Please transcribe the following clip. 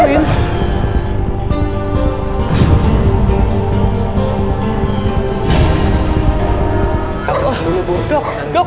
bu tolong duk